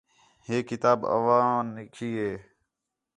ہِے کتاب آواں نکھی ہِے